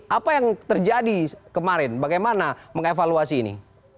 apa yang terjadi kemarin bagaimana mengevaluasi ini